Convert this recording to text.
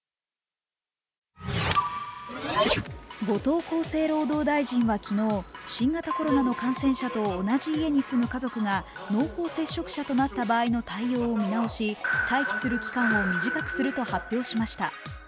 後藤厚生労働大臣は昨日、新型コロナの感染者と同じ家に住む家族が濃厚接触者となった場合の対応を見直し、待機する期間を短くすると発表しました。